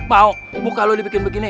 mau muka lu dibikin begini